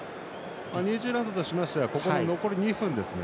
ニュージーランドとしましては、残り２分ですね